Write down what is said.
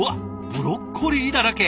ブロッコリーだらけ。